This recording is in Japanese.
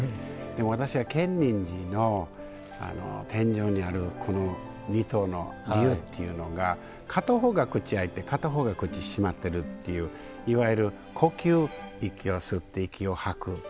でも私は建仁寺の天井にあるこの２頭の龍っていうのが片方が口開いて片方が口閉まってるっていういわゆる呼吸息を吸って息を吐く。